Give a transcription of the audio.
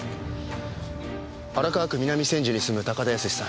荒川区南千住に住む高田靖さん。